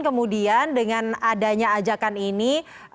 kemudian dengan adanya ajakan ini